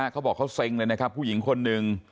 เขาบอกเขาเซ็งเลยหนึ่งผู้หญิงคนนึง